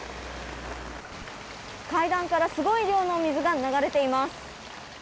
階段からすごい量の水が流れています。